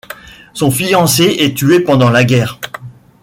Son fiancé est tué pendant la guerre.